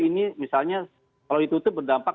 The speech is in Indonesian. ini misalnya kalau ditutup berdampak